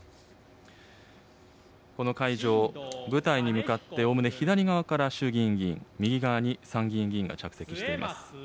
この会場、舞台に向かっておおむね左側から衆議院議員、右側に参議院議院が着席しています。